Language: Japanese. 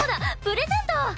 プレゼント！